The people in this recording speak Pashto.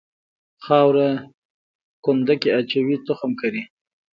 خاوره کنده کې اچوي تخم کري.